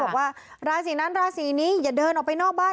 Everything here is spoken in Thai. บอกว่าราศีนั้นราศีนี้อย่าเดินออกไปนอกบ้าน